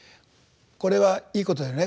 「これはいいことだよね。